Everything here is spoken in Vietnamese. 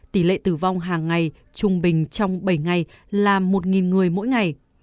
tỷ lệ tử vong hàng ngày trung bình trong bảy ngày là một người mỗi ngày